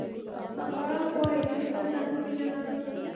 سقراط وايي چې خپل ځان وپېژنه.